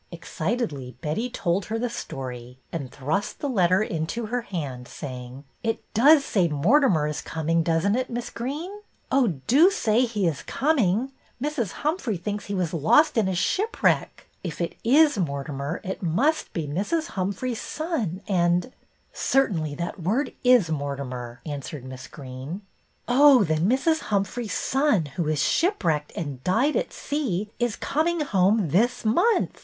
Excitedly Betty told her the story, and thrust the letter into her hand, saying, —" It does say Mortimer is coming, does n't it. Miss Greene.? Oh, do say he is coming. Mrs. Humphrey thinks he was lost in a ship wreck. If it is Mortimer, it must be Mrs. Humphrey's son and —"" Certainly that word is Mortimer," an swered Miss Greene. " Oh, then Mrs. Humphrey's son, who was shipwrecked and died at sea, is coming home this month